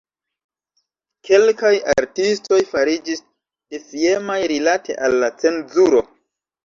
Kelkaj artistoj fariĝis defiemaj rilate al la cenzuro.